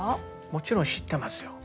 もちろん知ってますよ。